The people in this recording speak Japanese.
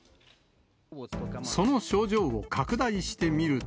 その賞状を拡大してみると、